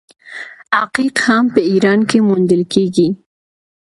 عقیق هم په ایران کې موندل کیږي.